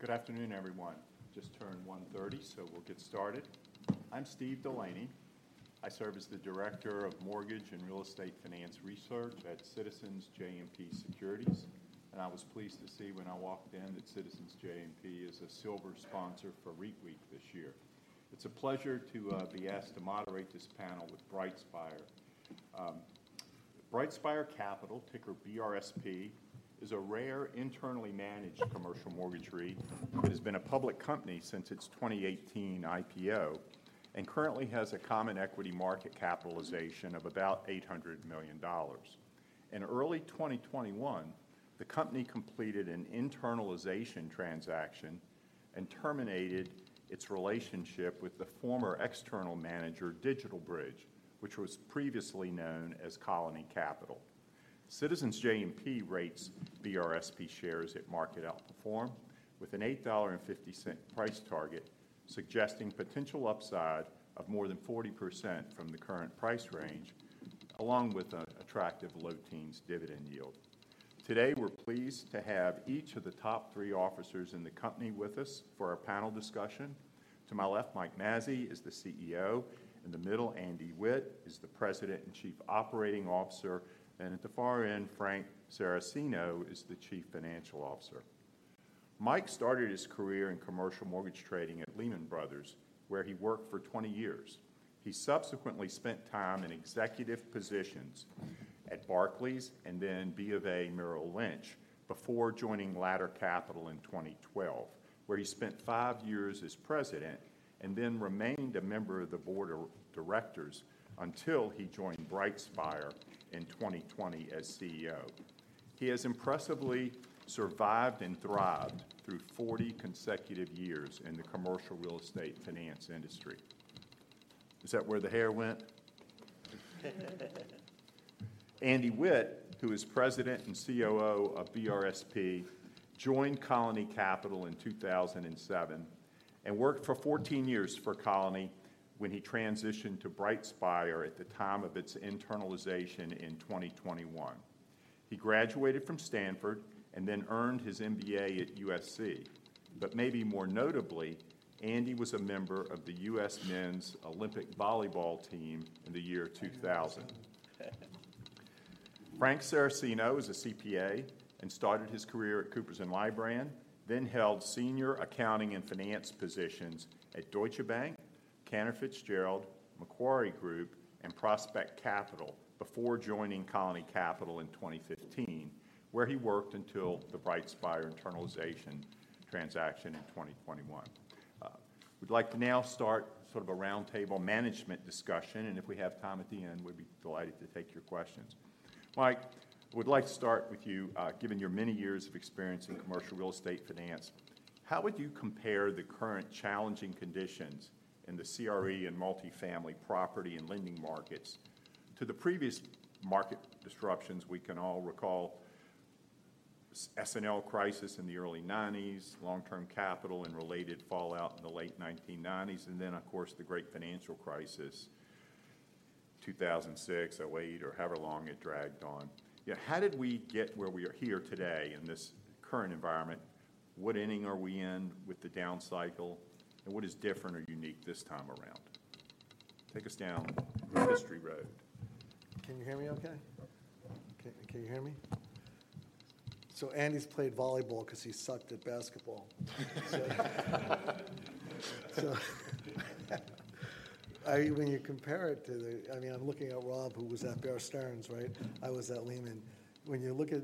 Good afternoon, everyone. Just turned 1:30 P.M., so we'll get started. I'm Steve Delaney. I serve as the Director of Mortgage and Real Estate Finance Research at Citizens JMP Securities, and I was pleased to see when I walked in that Citizens JMP is a silver sponsor for REITweek this year. It's a pleasure to be asked to moderate this panel with BrightSpire. BrightSpire Capital, ticker BRSP, is a rare, internally managed commercial mortgage REIT. It has been a public company since its 2018 IPO, and currently has a common equity market capitalization of about $800 million. In early 2021, the company completed an internalization transaction and terminated its relationship with the former external manager, DigitalBridge, which was previously known as Colony Capital. Citizens JMP rates BRSP shares at market outperform, with an $8.50 price target, suggesting potential upside of more than 40% from the current price range, along with an attractive low teens dividend yield. Today, we're pleased to have each of the top three officers in the company with us for our panel discussion. To my left, Mike Mazzei is the CEO. In the middle, Andy Witt is the President and Chief Operating Officer, and at the far end, Frank Saraceno is the Chief Financial Officer. Mike started his career in commercial mortgage trading at Lehman Brothers, where he worked for 20 years. He subsequently spent time in executive positions at Barclays and then BofA Merrill Lynch, before joining Ladder Capital in 2012, where he spent 5 years as president, and then remained a member of the board of directors until he joined BrightSpire in 2020 as CEO. He has impressively survived and thrived through 40 consecutive years in the commercial real estate finance industry. Is that where the hair went? Andy Witt, who is President and COO of BRSP, joined Colony Capital in 2007, and worked for 14 years for Colony when he transitioned to BrightSpire at the time of its internalization in 2021. He graduated from Stanford and then earned his MBA at USC. But maybe more notably, Andy was a member of the U.S. Men's Olympic Volleyball team in the year 2000. Frank Saracino is a CPA, and started his career at Coopers & Lybrand, then held senior accounting and finance positions at Deutsche Bank, Cantor Fitzgerald, Macquarie Group, and Prospect Capital before joining Colony Capital in 2015, where he worked until the BrightSpire internalization transaction in 2021. We'd like to now start sort of a roundtable management discussion, and if we have time at the end, we'd be delighted to take your questions. Mike, would like to start with you. Given your many years of experience in commercial real estate finance, how would you compare the current challenging conditions in the CRE and multifamily property and lending markets to the previous market disruptions? We can all recall the S&L crisis in the early 1990s, Long-Term Capital and related fallout in the late 1990s, and then, of course, the Great Financial Crisis, 2006-'08, or however long it dragged on. Yeah, how did we get where we are here today in this current environment? What inning are we in with the down cycle, and what is different or unique this time around? Take us down memory lane. Can you hear me okay? Can you hear me? So Andy's played volleyball 'cause he sucked at basketball. So when you compare it to the, I mean, I'm looking at Rob, who was at Bear Stearns, right? I was at Lehman. When you look at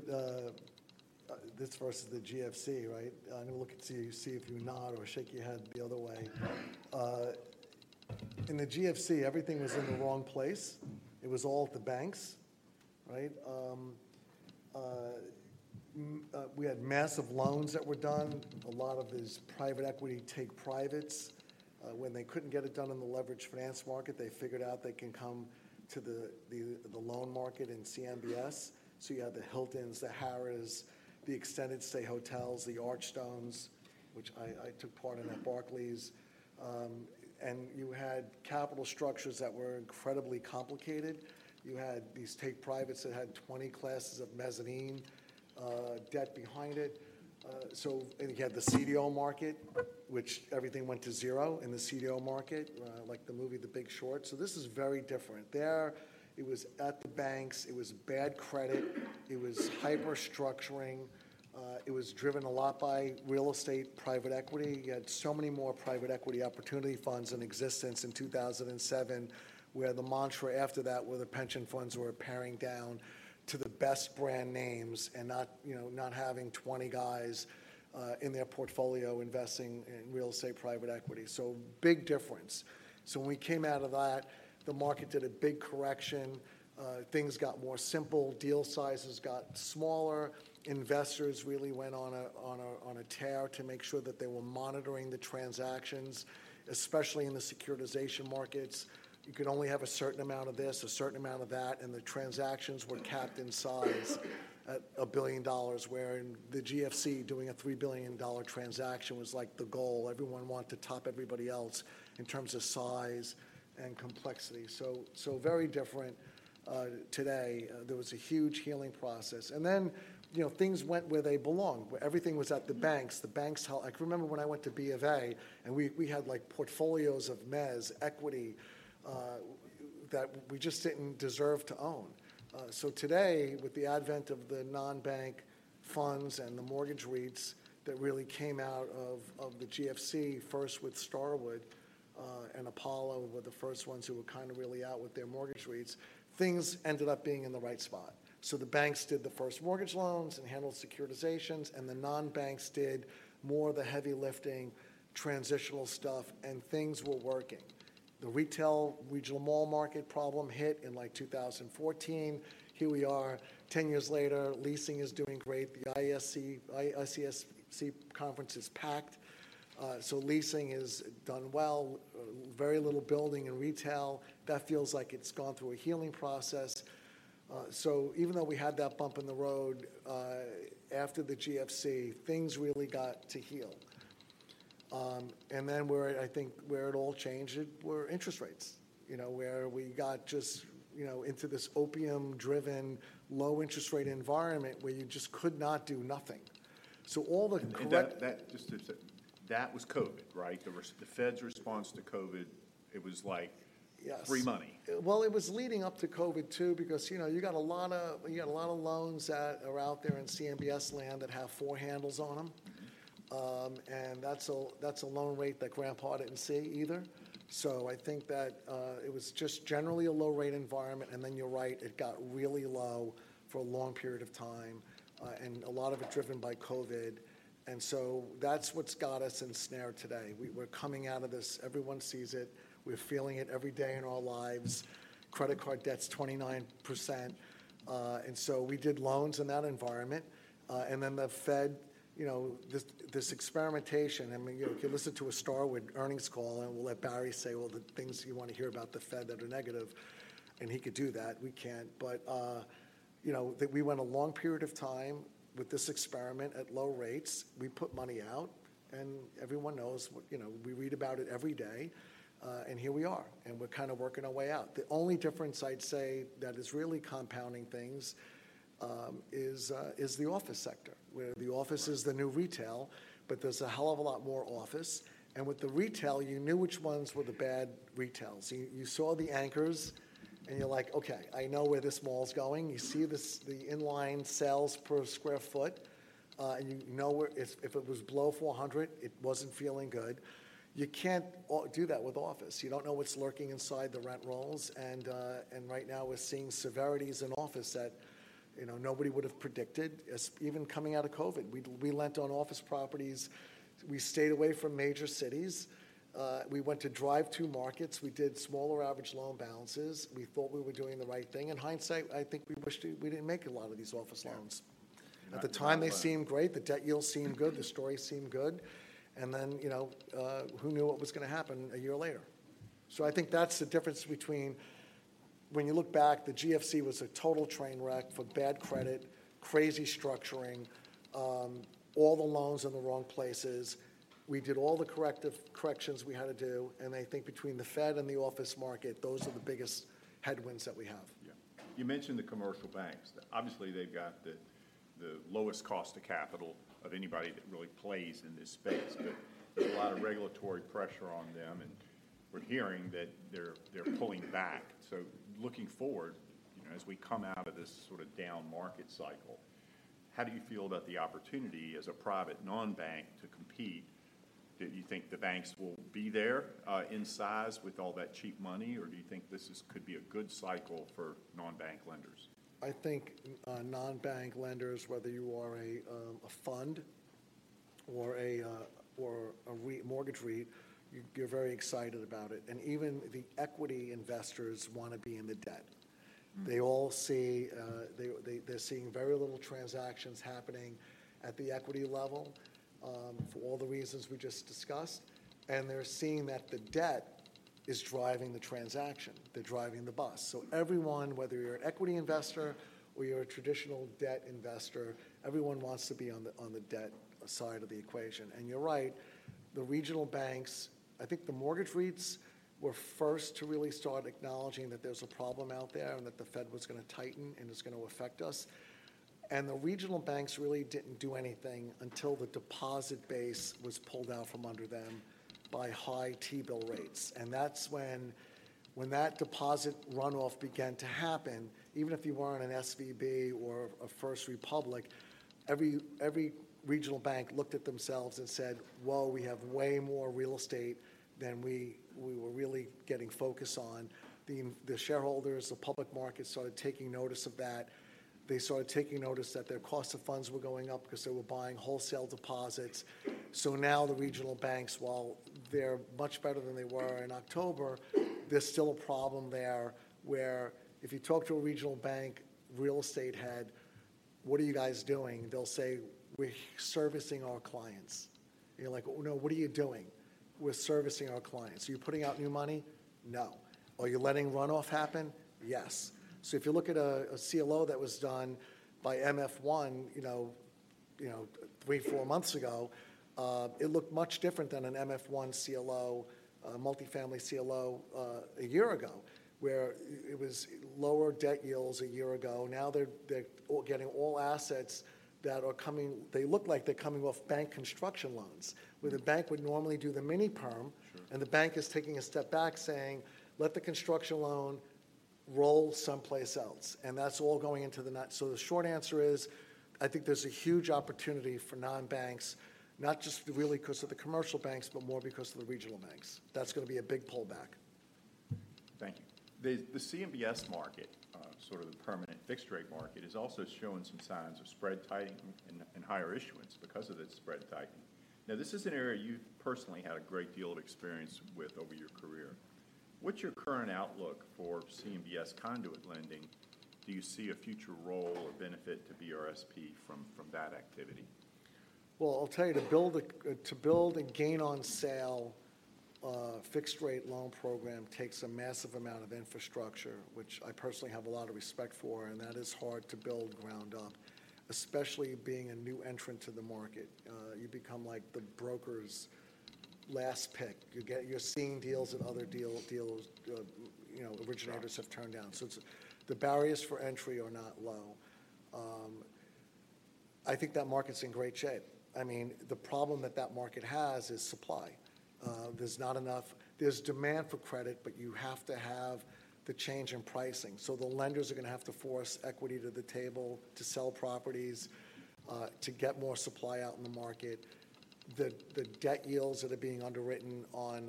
this versus the GFC, right? I'm gonna look at you, see if you nod or shake your head the other way. In the GFC, everything was in the wrong place. It was all at the banks, right? We had massive loans that were done. A lot of these private equity take privates. When they couldn't get it done in the leveraged finance market, they figured out they can come to the loan market and CMBS. So you had the Hiltons, the Harrah's, the Extended Stay hotels, the Archstones, which I, I took part in at Barclays. And you had capital structures that were incredibly complicated. You had these take privates that had 20 classes of mezzanine debt behind it. And you had the CDO market, which everything went to zero in the CDO market, like the movie The Big Short. So this is very different. There, it was at the banks, it was bad credit, it was hyper structuring, it was driven a lot by real estate private equity. You had so many more private equity opportunity funds in existence in 2007, where the mantra after that were the pension funds were paring down to the best brand names and not, you know, not having 20 guys in their portfolio investing in real estate private equity. So big difference. So when we came out of that, the market did a big correction. Things got more simple. Deal sizes got smaller. Investors really went on a, on a, on a tear to make sure that they were monitoring the transactions, especially in the securitization markets. You could only have a certain amount of this, a certain amount of that, and the transactions were capped in size at $1 billion, where in the GFC, doing a $3 billion transaction was, like, the goal. Everyone wanted to top everybody else in terms of size and complexity. So very different today. There was a huge healing process. And then, you know, things went where they belonged, where everything was at the banks. The banks held. I can remember when I went to BofA, and we had, like, portfolios of mezz equity that we just didn't deserve to own. So today, with the advent of the non-bank funds and the mortgage REITs that really came out of the GFC, first with Starwood and Apollo were the first ones who were kinda really out with their mortgage REITs, things ended up being in the right spot. So the banks did the first mortgage loans and handled securitizations, and the non-banks did more of the heavy lifting, transitional stuff, and things were working. The retail regional mall market problem hit in, like, 2014. Here we are, 10 years later, leasing is doing great. The ISC-ICSC conference is packed. So leasing has done well. Very little building in retail. That feels like it's gone through a healing process. So even though we had that bump in the road, after the GFC, things really got to heal. And then where I think where it all changed, it were interest rates, you know, where we got just, you know, into this opium-driven, low interest rate environment, where you just could not do nothing. So all the cor- That was COVID, right? There was the Fed's response to COVID, it was like- Yes. -free money. Well, it was leading up to COVID, too, because, you know, you got a lotta, you got a lotta loans that are out there in CMBS land that have four handles on them. And that's a, that's a loan rate that Grandpa didn't see either. So I think that it was just generally a low-rate environment, and then you're right, it got really low for a long period of time, and a lot of it driven by COVID, and so that's what's got us ensnared today. We're coming out of this. Everyone sees it. We're feeling it every day in our lives. Credit card debt's 29%. And so we did loans in that environment. and then the Fed, you know, this experimentation, I mean, you know, if you listen to a Starwood earnings call, and we'll let Barry say all the things you wanna hear about the Fed that are negative, and he could do that. We can't. But, you know, that we went a long period of time with this experiment at low rates. We put money out, and everyone knows, you know, we read about it every day, and here we are, and we're kinda working our way out. The only difference I'd say that is really compounding things, is the office sector, where the office is the new retail, but there's a hell of a lot more office. And with the retail, you knew which ones were the bad retails. You saw the anchors, and you're like: Okay, I know where this mall's going. You see the inline sales per square foot, and you know where... If it was below 400, it wasn't feeling good. You can't do that with office. You don't know what's lurking inside the rent rolls, and right now we're seeing severities in office that, you know, nobody would have predicted, even coming out of COVID. We lent on office properties. We stayed away from major cities. We went to drive-to markets. We did smaller average loan balances. We thought we were doing the right thing. In hindsight, I think we wished we didn't make a lot of these office loans. Yeah. At the time, they seemed great. The debt yields seemed good. The stories seemed good. And then, you know, who knew what was gonna happen a year later? So I think that's the difference between... When you look back, the GFC was a total train wreck for bad credit, crazy structuring, all the loans in the wrong places. We did all the corrective corrections we had to do, and I think between the Fed and the office market, those are the biggest headwinds that we have. Yeah. You mentioned the commercial banks. Obviously, they've got the lowest cost of capital of anybody that really plays in this space, but there's a lot of regulatory pressure on them, and we're hearing that they're pulling back. So looking forward, you know, as we come out of this sorta down market cycle, how do you feel about the opportunity as a private non-bank to compete? Do you think the banks will be there in size with all that cheap money, or do you think this could be a good cycle for non-bank lenders? I think, non-bank lenders, whether you are a fund or a mortgage REIT, you're very excited about it. And even the equity investors wanna be in the debt. Mm. They all see. They, they, they're seeing very little transactions happening at the equity level, for all the reasons we just discussed, and they're seeing that the debt is driving the transaction. They're driving the bus. So everyone, whether you're an equity investor or you're a traditional debt investor, everyone wants to be on the, on the debt side of the equation. And you're right, the regional banks, I think the mortgage REITs were first to really start acknowledging that there's a problem out there and that the Fed was gonna tighten, and it's going to affect us. The regional banks really didn't do anything until the deposit base was pulled out from under them by high T-bill rates, and that's when that deposit runoff began to happen, even if you weren't an SVB or a First Republic, every regional bank looked at themselves and said: "Whoa, we have way more real estate than we were really getting focus on." The shareholders, the public market started taking notice of that. They started taking notice that their cost of funds were going up because they were buying wholesale deposits. So now the regional banks, while they're much better than they were in October-... There's still a problem there, where if you talk to a regional bank real estate head: "What are you guys doing?" They'll say, "We're servicing our clients." You're like: "No, what are you doing?" "We're servicing our clients." "So you're putting out new money?" "No." "Are you letting runoff happen?" "Yes." So if you look at a CLO that was done by MF1, you know, you know, 3, 4 months ago, it looked much different than an MF1 CLO, multifamily CLO, a year ago, where it was lower debt yields a year ago. Now they're all getting all assets that are coming. They look like they're coming off bank construction loans. Mm. where the bank would normally do the mini perm. Sure. The bank is taking a step back, saying: "Let the construction loan go roll someplace else, and that's all going into the nut." So the short answer is, I think there's a huge opportunity for non-banks, not just really 'cause of the commercial banks, but more because of the regional banks. That's gonna be a big pullback. Thank you. The CMBS market, sort of the permanent fixed rate market, is also showing some signs of spread tightening and higher issuance because of its spread tightening. Now, this is an area you've personally had a great deal of experience with over your career. What's your current outlook for CMBS conduit lending? Do you see a future role or benefit to BRSP from that activity? Well, I'll tell you, to build and gain on sale fixed rate loan program takes a massive amount of infrastructure, which I personally have a lot of respect for, and that is hard to build ground up. Especially being a new entrant to the market. You become like the broker's last pick. You're seeing deals that other deals, you know, originators- Sure... have turned down. So it's the barriers for entry are not low. I think that market's in great shape. I mean, the problem that that market has is supply. There's not enough... There's demand for credit, but you have to have the change in pricing. So the lenders are gonna have to force equity to the table to sell properties to get more supply out in the market. The debt yields that are being underwritten on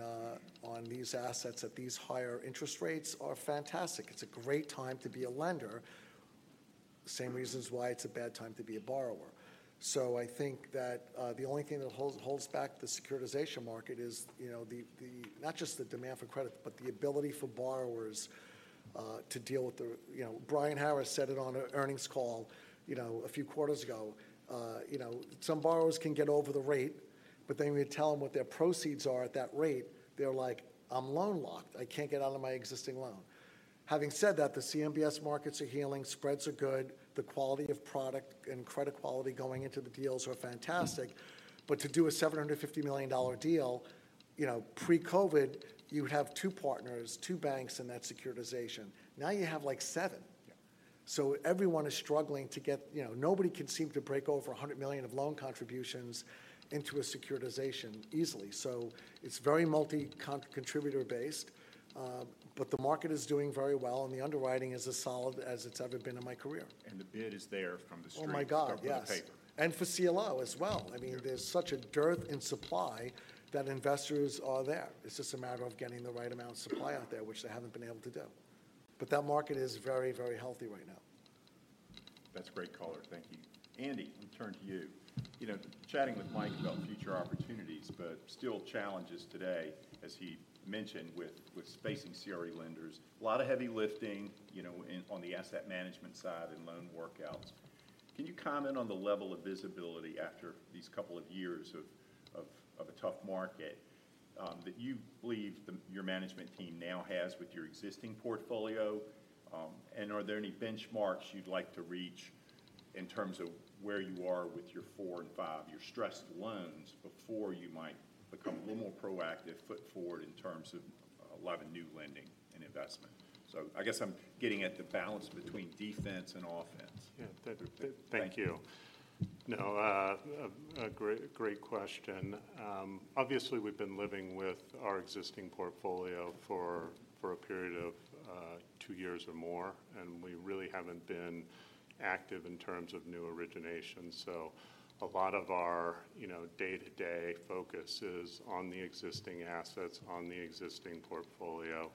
these assets at these higher interest rates are fantastic. It's a great time to be a lender. Same reasons why it's a bad time to be a borrower. So I think that the only thing that holds back the securitization market is, you know, the not just the demand for credit, but the ability for borrowers to deal with the... You know, Brian Harris said it on an earnings call, you know, a few quarters ago. You know, some borrowers can get over the rate, but then when you tell them what their proceeds are at that rate, they're like: "I'm loan locked. I can't get out of my existing loan." Having said that, the CMBS markets are healing, spreads are good, the quality of product and credit quality going into the deals are fantastic. But to do a $750 million deal, you know, pre-COVID, you'd have two partners, two banks in that securitization. Now you have, like, seven. Yeah. So everyone is struggling to get... You know, nobody can seem to break over $100 million of loan contributions into a securitization easily. So it's very multi-contributor based, but the market is doing very well, and the underwriting is as solid as it's ever been in my career. The bid is there from the street- Oh, my God, yes! from the paper. For CLO as well. Yeah. I mean, there's such a dearth in supply that investors are there. It's just a matter of getting the right amount of supply out there, which they haven't been able to do. But that market is very, very healthy right now. That's great color. Thank you. Andy, let me turn to you. You know, chatting with Mike about future opportunities, but still challenges today, as he mentioned, with spacing CRE lenders. A lot of heavy lifting, you know, in on the asset management side and loan workouts. Can you comment on the level of visibility after these couple of years of a tough market that you believe your management team now has with your existing portfolio? And are there any benchmarks you'd like to reach in terms of where you are with your four and five, your stressed loans, before you might become a little more proactive foot forward in terms of a lot of new lending and investment? So I guess I'm getting at the balance between defense and offense. Yeah, thank you. Thank you. Thank you. No, a great, great question. Obviously, we've been living with our existing portfolio for a period of two years or more, and we really haven't been active in terms of new origination. So a lot of our, you know, day-to-day focus is on the existing assets, on the existing portfolio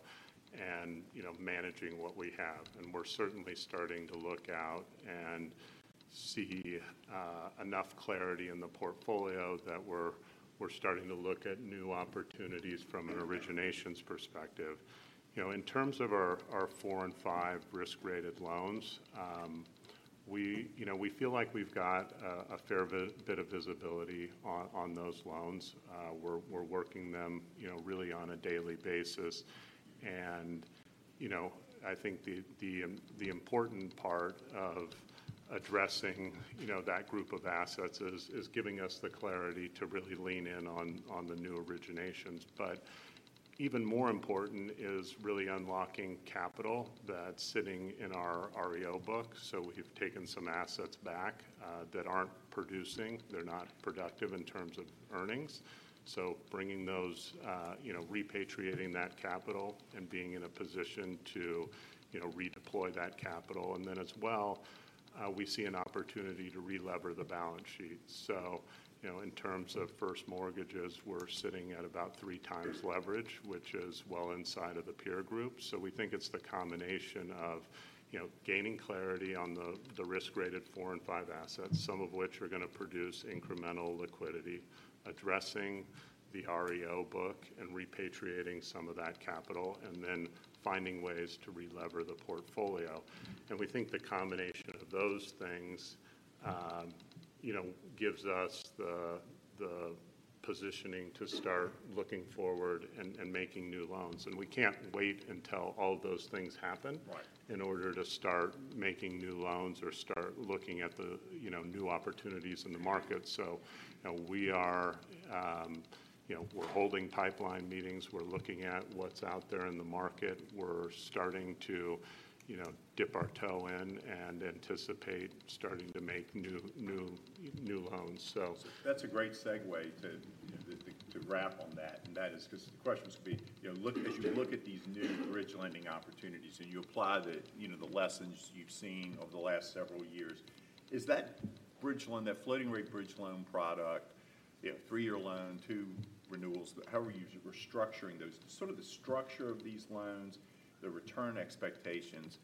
and, you know, managing what we have. And we're certainly starting to look out and see enough clarity in the portfolio that we're starting to look at new opportunities from an origination's perspective. You know, in terms of our four and five risk-rated loans, we, you know, we feel like we've got a fair bit of visibility on those loans. We're working them, you know, really on a daily basis. And, you know, I think the important part of addressing, you know, that group of assets is giving us the clarity to really lean in on the new originations. But even more important is really unlocking capital that's sitting in our REO book. So we've taken some assets back that aren't producing, they're not productive in terms of earnings. So bringing those, you know, repatriating that capital and being in a position to, you know, redeploy that capital. And then as well, we see an opportunity to relever the balance sheet. So, you know, in terms of first mortgages, we're sitting at about 3x leverage, which is well inside of the peer group. We think it's the combination of, you know, gaining clarity on the risk-rated 4 and 5 assets, some of which are gonna produce incremental liquidity, addressing the REO book and repatriating some of that capital, and then finding ways to relever the portfolio. We think the combination of those things, you know, gives us the positioning to start looking forward and making new loans. We can't wait until all of those things happen- Right... in order to start making new loans or start looking at the, you know, new opportunities in the market. So, you know, we are, you know, we're holding pipeline meetings. We're looking at what's out there in the market. We're starting to, you know, dip our toe in and anticipate starting to make new, new, new loans. So- That's a great segue to wrap on that, and that is 'cause the question was gonna be: You know, look- Yeah. As you look at these new bridge lending opportunities, and you apply the, you know, the lessons you've seen over the last several years, is that bridge loan, that floating rate bridge loan product—you know, three-year loan, two renewals. How are you restructuring those? Sort of the structure of these loans, the return expectations.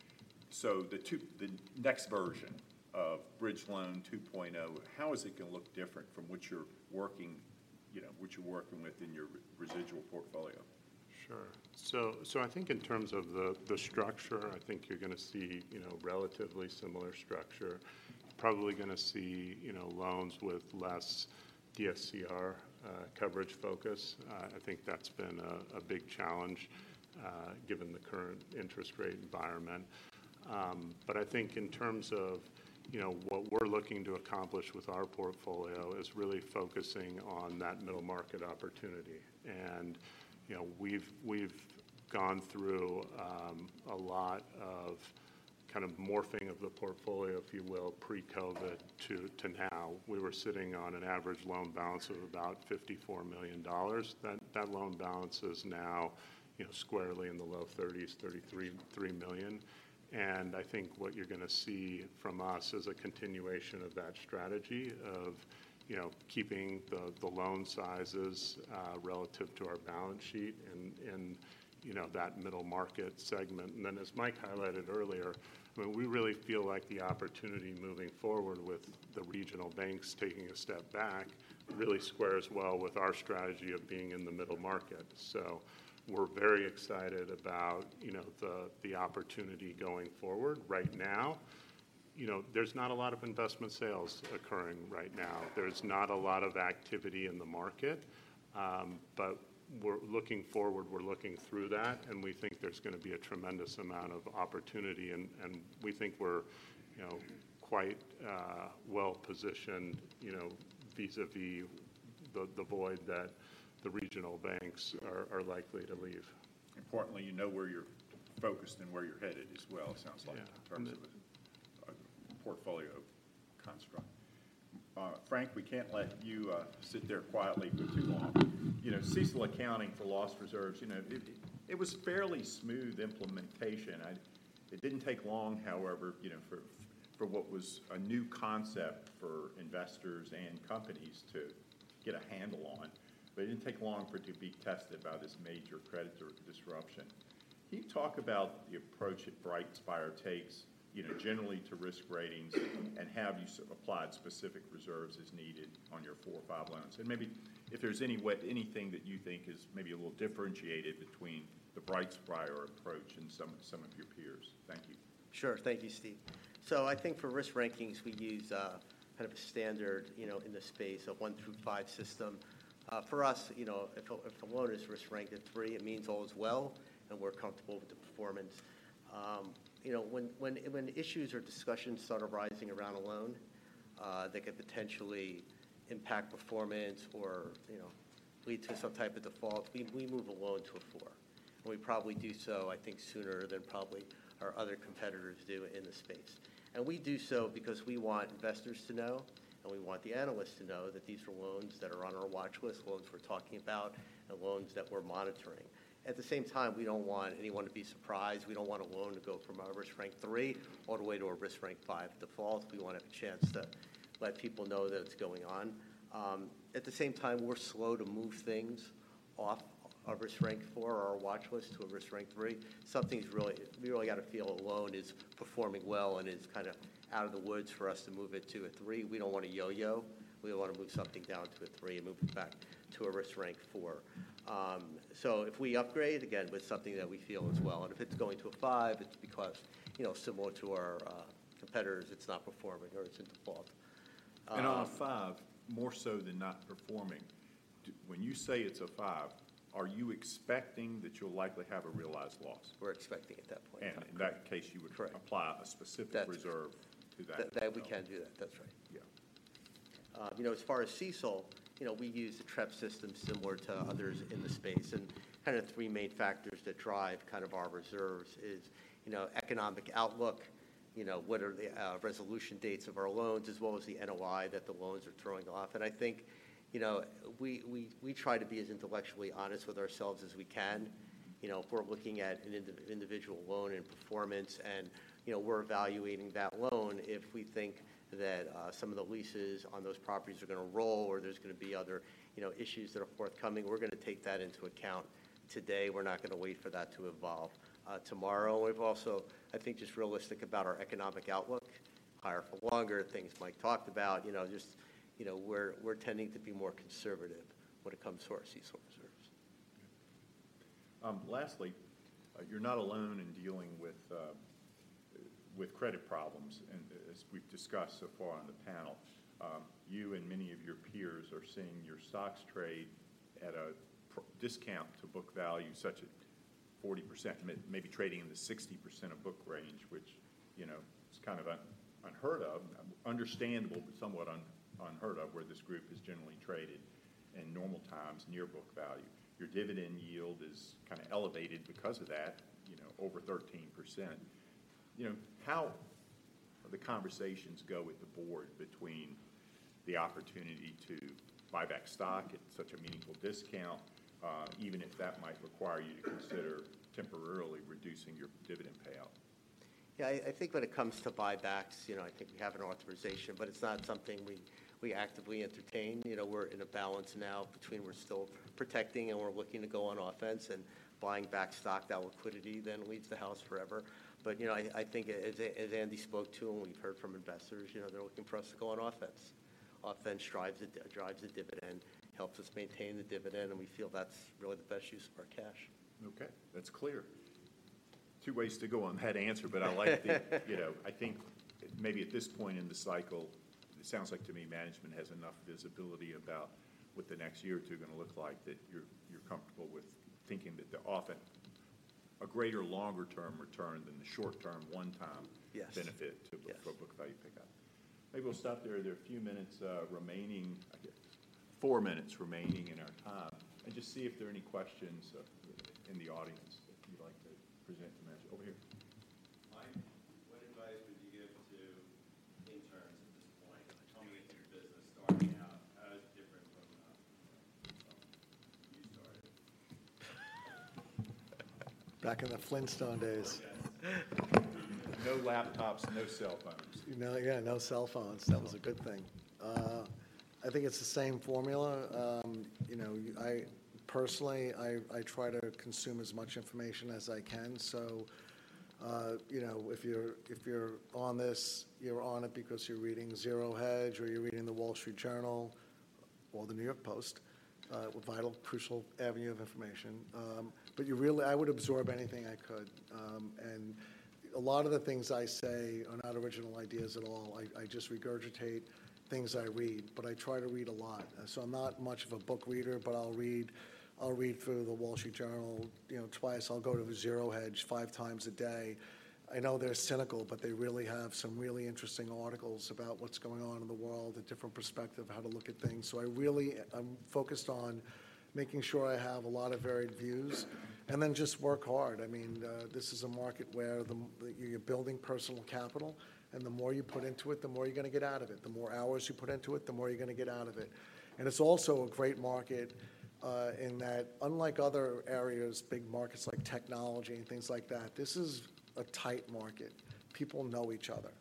So the two, the next version of Bridge Loan 2.0, how is it gonna look different from what you're working, you know, what you're working with in your residual portfolio? Sure. So I think in terms of the structure, I think you're gonna see, you know, relatively similar structure. Probably gonna see, you know, loans with less DSCR coverage focus. I think that's been a big challenge, given the current interest rate environment. But I think in terms of, you know, what we're looking to accomplish with our portfolio is really focusing on that middle market opportunity. And, you know, we've gone through a lot of kind of morphing of the portfolio, if you will, pre-COVID to now. We were sitting on an average loan balance of about $54 million. That loan balance is now, you know, squarely in the low thirties, $33.3 million. And I think what you're gonna see from us is a continuation of that strategy of, you know, keeping the loan sizes relative to our balance sheet and, you know, that middle market segment. And then, as Mike highlighted earlier, I mean, we really feel like the opportunity moving forward with the regional banks taking a step back, really squares well with our strategy of being in the middle market. So we're very excited about, you know, the opportunity going forward. Right now, you know, there's not a lot of investment sales occurring right now. There's not a lot of activity in the market, but we're looking forward, we're looking through that, and we think there's gonna be a tremendous amount of opportunity, and we think we're, you know, quite well-positioned, you know, vis-à-vis the void that the regional banks are likely to leave. Importantly, you know where you're focused and where you're headed as well, it sounds like. Yeah... in terms of a portfolio construct. Frank, we can't let you sit there quietly for too long. You know, CECL accounting for loss reserves, you know, it was fairly smooth implementation. It didn't take long, however, you know, for what was a new concept for investors and companies to get a handle on. But it didn't take long for it to be tested by this major credit disruption. Can you talk about the approach that BrightSpire takes, you know, generally to risk ratings, and have you applied specific reserves as needed on your four or five loans? And maybe if there's anything that you think is maybe a little differentiated between the BrightSpire approach and some of your peers. Thank you. Sure. Thank you, Steve. So I think for risk rankings, we use kind of a standard, you know, in the space, a 1 through 5 system. For us, you know, if a loan is risk ranked at 3, it means all is well, and we're comfortable with the performance. You know, when issues or discussions start arising around a loan that could potentially impact performance or, you know, lead to some type of default, we move a loan to a 4. And we probably do so, I think, sooner than probably our other competitors do in the space. And we do so because we want investors to know, and we want the analysts to know that these are loans that are on our watch list, loans we're talking about, and loans that we're monitoring. At the same time, we don't want anyone to be surprised. We don't want a loan to go from a risk rank three all the way to a risk rank five default. We wanna have a chance to let people know that it's going on. At the same time, we're slow to move things off a risk rank four or our watch list to a risk rank three. Something's really... We really gotta feel a loan is performing well and is kind of out of the woods for us to move it to a three. We don't wanna yo-yo. We don't wanna move something down to a three and move it back to a risk rank four. So if we upgrade, again, with something that we feel is well, and if it's going to a five, it's because, you know, similar to our competitors, it's not performing or it's in default. On a five, more so than not performing, when you say it's a five, are you expecting that you'll likely have a realized loss? We're expecting at that point in time. And in that case, you would- Correct... apply a specific reserve to that. That, we can do that. That's right. Yeah. You know, as far as CECL, you know, we use a Trepp system similar to others in the space, and kind of three main factors that drive kind of our reserves is, you know, economic outlook, you know, what are the resolution dates of our loans, as well as the NOI that the loans are throwing off. And I think, you know, we, we, we try to be as intellectually honest with ourselves as we can. You know, if we're looking at an individual loan and performance and, you know, we're evaluating that loan, if we think that some of the leases on those properties are gonna roll, or there's gonna be other, you know, issues that are forthcoming, we're gonna take that into account today. We're not gonna wait for that to evolve, tomorrow. We've also, I think, just realistic about our economic outlook. Higher for longer, things Mike talked about, you know, just, you know, we're, we're tending to be more conservative when it comes to our CECL reserves. Lastly, you're not alone in dealing with credit problems, and as we've discussed so far on the panel, you and many of your peers are seeing your stocks trade at a discount to book value, such as 40%, maybe trading in the 60% of book range, which, you know, is kind of unheard of, understandable, but somewhat unheard of, where this group is generally traded in normal times near book value. Your dividend yield is kind of elevated because of that, you know, over 13%. You know, how do the conversations go with the board between the opportunity to buy back stock at such a meaningful discount, even if that might require you to consider temporarily reducing your dividend payout?... Yeah, I think when it comes to buybacks, you know, I think we have an authorization, but it's not something we actively entertain. You know, we're in a balance now between we're still protecting and we're looking to go on offense, and buying back stock, that liquidity then leaves the house forever. But, you know, I think as Andy spoke to, and we've heard from investors, you know, they're looking for us to go on offense. Offense drives the dividend, helps us maintain the dividend, and we feel that's really the best use of our cash. Okay, that's clear. Two ways to go on that answer, but I like the... You know, I think maybe at this point in the cycle, it sounds like to me management has enough visibility about what the next year or two are gonna look like, that you're, you're comfortable with thinking that the often a greater longer-term return than the short-term, one-time- Yes benefit to Yes for a book value pickup. Maybe we'll stop there. There are a few minutes remaining. I get 4 minutes remaining in our time. I just see if there are any questions in the audience that you'd like to present to management. Over here. Mike, what advice would you give to interns at this point? Like, helping with your business starting out, how is it different from when you started? Back in the Flintstone days. Yes. No laptops, no cell phones. You know, yeah, no cell phones. Uh-huh. That was a good thing. I think it's the same formula. You know, I... Personally, I try to consume as much information as I can. So, you know, if you're on this, you're on it because you're reading ZeroHedge, or you're reading The Wall Street Journal, or the New York Post, a vital, crucial avenue of information. But you really—I would absorb anything I could. And a lot of the things I say are not original ideas at all. I, I just regurgitate things I read, but I try to read a lot. So I'm not much of a book reader, but I'll read. I'll read through The Wall Street Journal, you know, twice. I'll go to ZeroHedge five times a day. I know they're cynical, but they really have some really interesting articles about what's going on in the world, a different perspective, how to look at things. So I really, I'm focused on making sure I have a lot of varied views and then just work hard. I mean, this is a market where the, you're building personal capital, and the more you put into it, the more you're gonna get out of it. The more hours you put into it, the more you're gonna get out of it. And it's also a great market, in that unlike other areas, big markets like technology and things like that, this is a tight market. People know each other.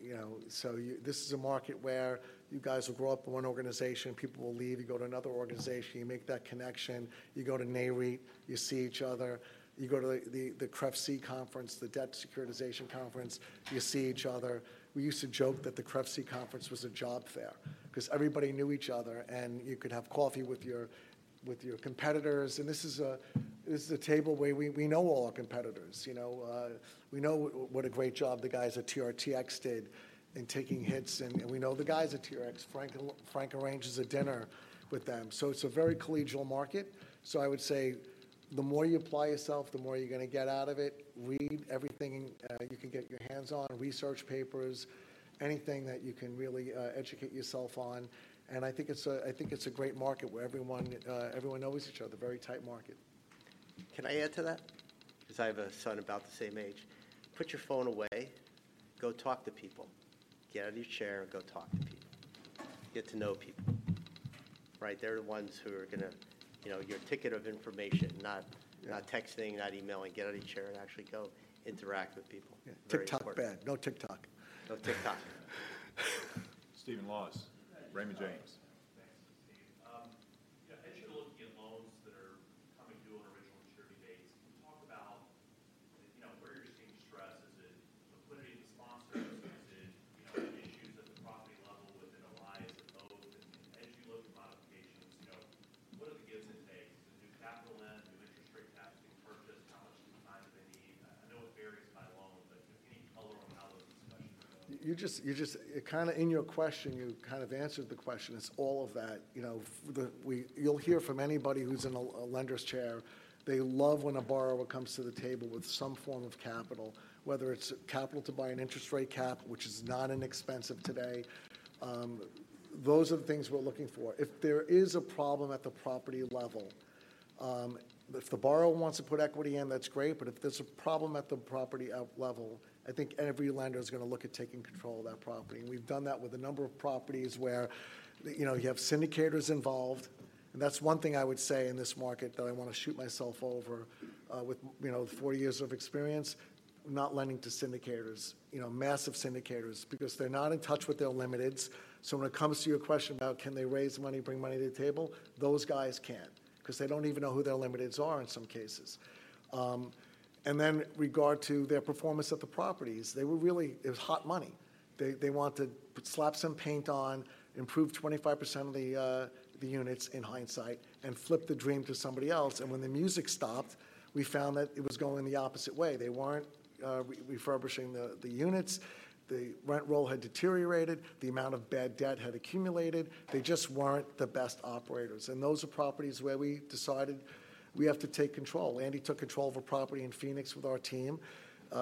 You know, so you-- this is a market where you guys will grow up in one organization, people will leave, you go to another organization, you make that connection. You go to NAREIT, you see each other. You go to the CREFC conference, the debt securitization conference, you see each other. We used to joke that the CREFC conference was a job fair 'cause everybody knew each other, and you could have coffee with your competitors. And this is a table where we know all our competitors, you know. We know what a great job the guys at TRTX did in taking hits, and we know the guys at TRTX. Frank arranges a dinner with them. So it's a very collegial market. So I would say the more you apply yourself, the more you're gonna get out of it. Read everything you can get your hands on, research papers, anything that you can really educate yourself on. I think it's a great market where everyone knows each other. Very tight market. Can I add to that? 'Cause I have a son about the same age. Put your phone away. Go talk to people. Get out of your chair and go talk to people. Get to know people, right? They're the ones who are gonna... You know, your ticket of information, not- Yeah... not texting, not emailing. Get out of your chair and actually go interact with people. Yeah. Very important. TikTok, bad. No TikTok. No TikTok. Stephen Laws, Raymond James. I think every lender is gonna look at taking control of that property. And we've done that with a number of properties where, you know, you have syndicators involved. That's one thing I would say in this market, though I want to shoot myself over with, you know, 40 years of experience, not lending to syndicators, you know, massive syndicators, because they're not in touch with their limiteds. So when it comes to your question about can they raise money, bring money to the table, those guys can't, 'cause they don't even know who their limiteds are in some cases. And then regard to their performance at the properties, they were really. It was hot money. They, they wanted to slap some paint on, improve 25% of the units in hindsight, and flip the dream to somebody else. And when the music stopped, we found that it was going the opposite way. They weren't re-refurbishing the units. The rent roll had deteriorated. The amount of bad debt had accumulated. They just weren't the best operators. And those are properties where we decided we have to take control. Andy took control of a property in Phoenix with our team,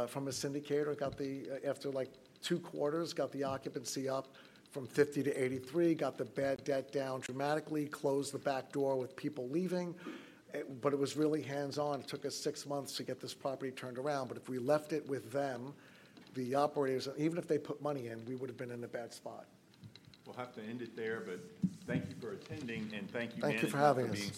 from a syndicator, got the after, like, two quarters, got the occupancy up from 50 to 83, got the bad debt down dramatically, closed the back door with people leaving. But it was really hands-on. It took us 6 months to get this property turned around, but if we left it with them, the operators, even if they put money in, we would've been in a bad spot. We'll have to end it there, but thank you for attending, and thank you, Andy- Thank you for having us.... for being here.